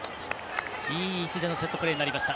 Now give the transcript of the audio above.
いい位置でのセットプレーになりました。